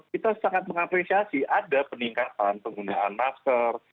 kita sangat mengapresiasi ada peningkatan penggunaan masker